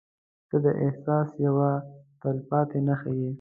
• ته د احساس یوه تلپاتې نښه یې.